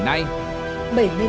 đại ngày nay